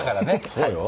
そうよ。